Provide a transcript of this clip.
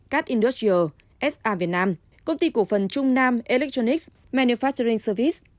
cat industrial sa việt nam công ty cổ phần trung nam electronics manufacturing service